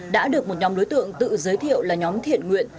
đã được một nhóm đối tượng tự giới thiệu là nhóm thiện nguyện